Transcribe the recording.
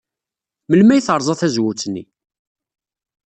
Melmi ay terẓa tazewwut-nni?